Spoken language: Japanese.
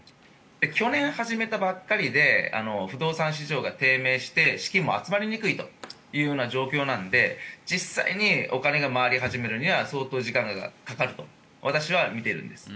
去年始めたばかりで不動産市場が低迷して資金も集まりにくいという状況なので実際にお金が回り始めるには相当時間がかかると私は見ているんです。